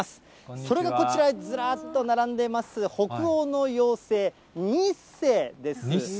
それがこちら、ずらっと並んでます、北欧の妖精、ニッセです。